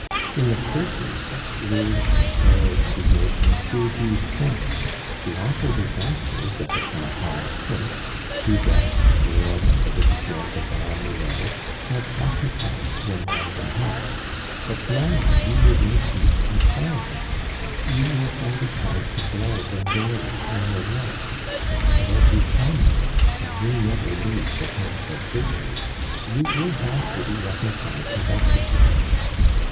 In the first instance, rage, despair, indignation, gave you strength. The awful disasters that have come upon us since two deaths, ruin, and the disappearance of Baron Hulot have occupied your mind and heart; but now you live in peace and silence, you will find it hard to bear the void in your life; and as you cannot, and will never leave the path of virtue, you will have to be reconciled to Wenceslas.